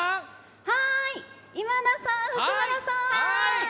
今田さん、福原さん！